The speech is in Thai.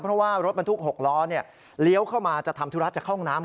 เพราะว่ารถบรรทุก๖ล้อเลี้ยวเข้ามาจะทำธุระจากห้องน้ำ